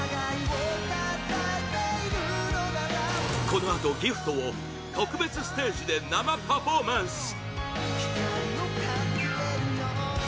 このあと、「ＧＩＦＴ」を特別ステージで生パフォーマンス！